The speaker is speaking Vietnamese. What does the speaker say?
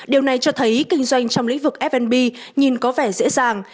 điều này cho thấy kinh doanh trong lĩnh vực f b nhìn có vẻ dễ dàng